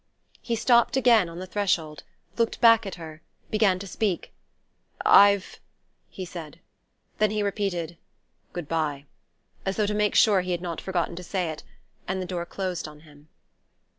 He stopped again on the threshold, looked back at her, began to speak. "I've " he said; then he repeated "Good bye," as though to make sure he had not forgotten to say it; and the door closed on him.